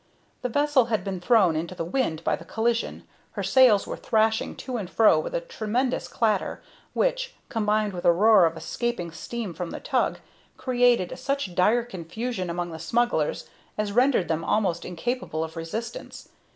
The vessel had been thrown into the wind by the collision, her sails were thrashing to and fro with a tremendous clatter, which, combined with a roar of escaping steam from the tug, created such dire confusion among the smugglers as rendered them almost incapable of resistance.